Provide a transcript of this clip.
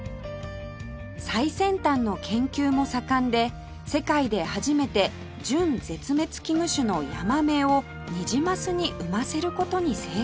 最先端の研究も盛んで世界で初めて準絶滅危惧種のヤマメをニジマスに産ませる事に成功